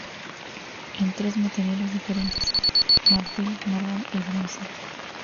En tres materiales diferentes, marfil, mármol y bronce.